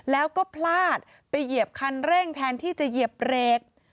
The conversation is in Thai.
แล้วก็พลาดไปเหยียบคันเร่งแทนที่จะเหยียบเบรก